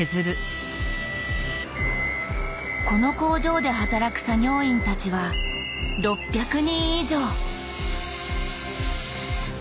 この工場で働く作業員たちは６００人以上。